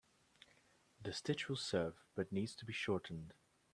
The stitch will serve but needs to be shortened.